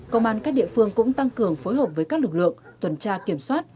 công an các địa phương cũng tăng cường phối hợp với các lực lượng tuần tra kiểm soát